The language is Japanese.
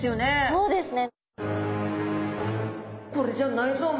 そうですね。